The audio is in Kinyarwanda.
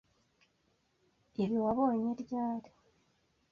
Ibi wabonye ryari?